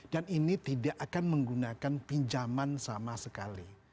dan ini tidak akan menggunakan pinjaman sama sekali